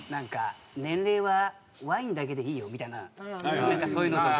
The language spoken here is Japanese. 「年齢はワインだけでいいよ」みたいななんかそういうのとか。